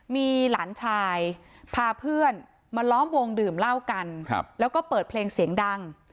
มีหลานชายพาเพื่อนมาล้อมวงดื่มเหล้ากันแล้วก็เปิดเพลงเสียงดัง